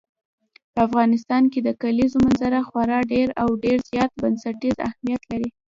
په افغانستان کې د کلیزو منظره خورا ډېر او ډېر زیات بنسټیز اهمیت لري.